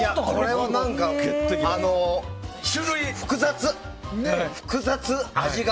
これは複雑、味が。